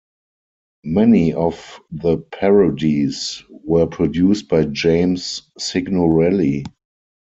Many of the parodies were produced by James Signorelli.